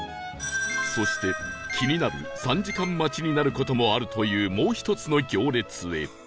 そして気になる３時間待ちになる事もあるというもう１つの行列へ